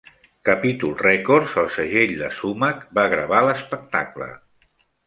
Capitol Records, el segell de Sumac, va gravar l'espectacle.